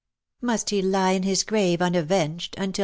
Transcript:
" Must he lie in his grave, unavenged, until the VOL.